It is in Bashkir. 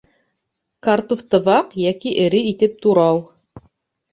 Картуфты ваҡ йәки эре итеп турау